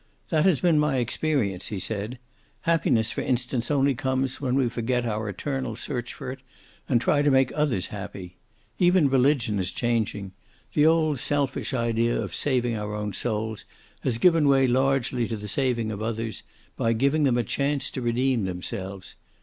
"That has been my experience," he said. "Happiness for instance only comes when we forget our eternal search for it, and try to make others happy. Even religion is changing. The old selfish idea of saving our own souls has given way largely to the saving of others, by giving them a chance to redeem themselves.